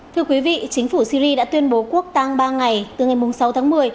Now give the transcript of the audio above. thưa quý vị chính phủ syri đã tuyên bố quốc tăng ba ngày từ ngày sáu tháng một mươi